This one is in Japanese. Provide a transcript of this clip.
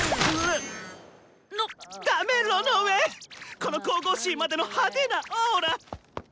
この神々しいまでの派手なオーラ！な何これ？